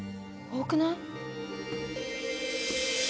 多くない？